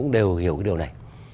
đều hiểu cái điều này